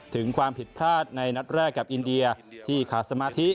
ถึงความผิดพลาดในนัดแรกกับอินเดียที่ขาดสมาธิ